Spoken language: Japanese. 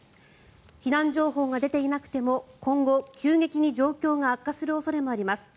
避難情報が出ていなくても今後、急激に状況が悪化する恐れもあります。